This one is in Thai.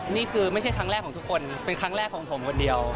นี่คือไม่ใช่ครั้งแรกของทุกคนเป็นครั้งแรกของผมคนเดียว